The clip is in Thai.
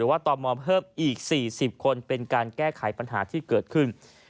ว่าตมเพิ่มอีก๔๐คนเป็นการแก้ไขปัญหาที่เกิดขึ้น